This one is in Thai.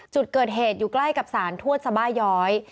จุดเกิดเหตุอยู่ใกล้กับสารทวดสบาย้อย